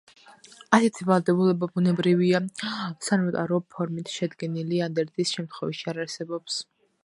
ასეთი ვალდებულება ბუნებრივია სანოტარო ფორმით შედგენილი ანდერძის შემთხვევაში არ არსებობს.